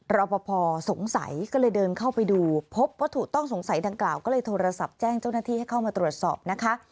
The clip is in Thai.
รอปภสงสัยก็เลยเดินเข้าไปดูพบวัตถุต้องสงสัยดังกล่าวก็เลยโทรศัพท์แจ้งเจ้าหน้าที่ให้เข้ามาตรวจสอบนะคะ